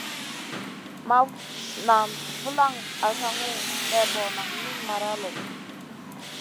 Ma nan vulaŋ asaŋu lébo naŋ min mara lo.